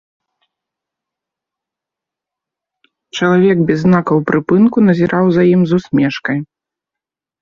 Чалавек без знакаў прыпынку назіраў за ім з усмешкай.